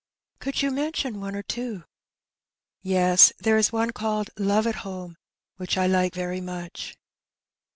^'" Could you mention one or two V "Yes; there is one called 'Love at Home,' which I like very much.''